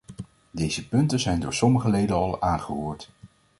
Deze punten zijn door sommige leden al aangeroerd.